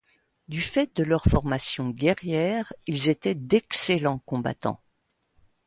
Du fait de leur formation guerrière, ils étaient d’excellents combattants.